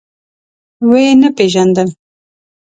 ويې نه پيژاندل.